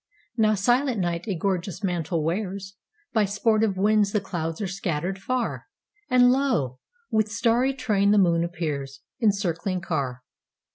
Now silent night a gorgeous mantle wears, By sportive winds the clouds are scattered far, And lo! with starry train the moon appearsIn circling car.